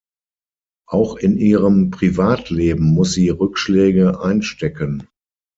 Auch in ihrem Privatleben muss sie Rückschläge einstecken.